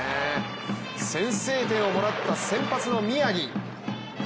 先制点をもらった先発の宮城。